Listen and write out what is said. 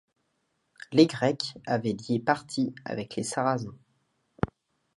Les Grecs avaient lié partie avec les Sarrasins.